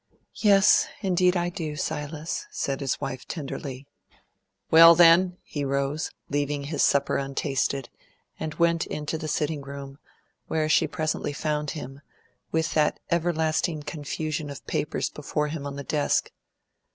"Yes, indeed I do, Silas," said his wife tenderly. "Well, then!" He rose, leaving his supper untasted, and went into the sitting room, where she presently found him, with that everlasting confusion of papers before him on the desk.